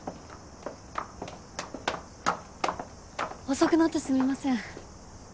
遅くなってすみません。